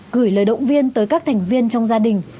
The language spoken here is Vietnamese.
gửi lời động viên tới các thành viên trong gia đình